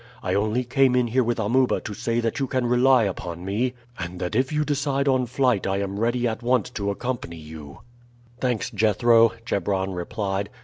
I only came in here with Amuba to say that you can rely upon me, and that if you decide on flight I am ready at once to accompany you." "Thanks, Jethro," Chebron replied.